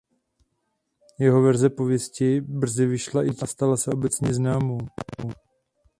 Jeho verze pověsti brzy vyšla i tiskem a stala se obecně známou.